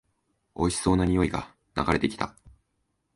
おいしそうな匂いが流れてきた